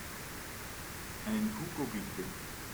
Einen Hugo bitte.